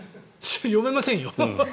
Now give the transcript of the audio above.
読めませんよ。